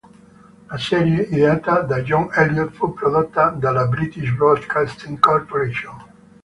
La serie, ideata da John Elliot, fu prodotta dalla British Broadcasting Corporation.